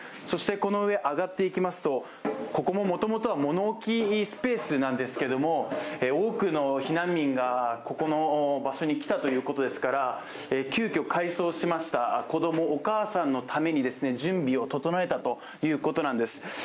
そしてこの上、上がっていきますとここももともとは物置スペースなんですけども多くの避難民がここの場所に来たということですから、急きょ改装しました、子供・お母さんのために準備を整えたということなんです。